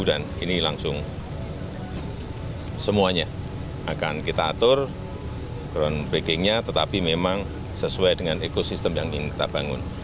sehingga semuanya akan kita atur ground breakingnya tetapi memang sesuai dengan ekosistem yang ingin kita bangun